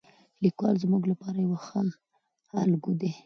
لیکوال زموږ لپاره یو ښه الګو دی.